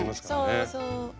そうそう。